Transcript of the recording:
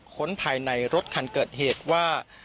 ค้นภายในรถคันเกิดเหตุว่า